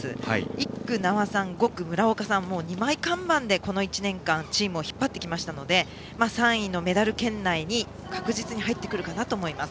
１区、名和さん５区、村岡さんという２枚看板でこの１年間、チームを引っ張ってきましたので３位のメダル圏内に確実に入ってくるかなと思います。